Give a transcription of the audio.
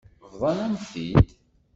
Bḍant-am-t-id.